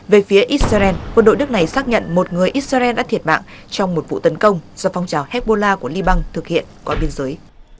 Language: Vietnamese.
về phía israel quân đội đất này xác nhận một người israel đã thiệt mạng trong một vụ tấn công do phong trào hezbollah của liban thực hiện qua biên giới